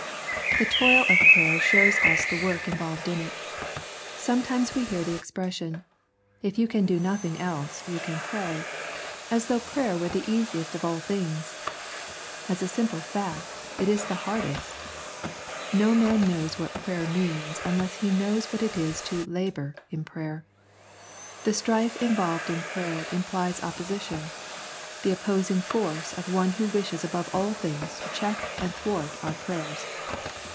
The toil of prayer shows us the work involved in it. Sometimes we hear the expression, " If you can do nothing else, you can pray," as though prayer were the easiest of all things. As a simple fact, it is the hardest. No man knows what prayer means unless he knows what it is to " labour " in prayer. The strife involved in prayer im plies opposition — the opposing force of one who wishes above all things to check and thwart our prayers.